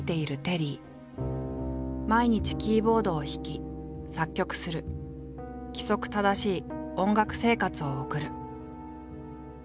毎日キーボードを弾き作曲する規則正しい音楽生活を送る。